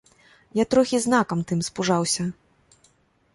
Я трохі, знакам тым, спужаўся.